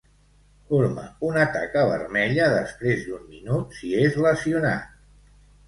Forma una taca vermella després d'un minut si és lesionat.